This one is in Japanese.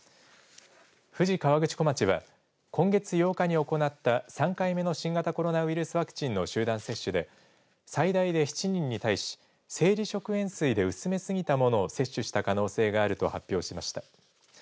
富士河口湖町は今月８日に行った３回目の新型コロナウイルスワクチンの集団接種で最大で７人に対し生理食塩水で薄めすぎたものを接種した可能性があると発表しました。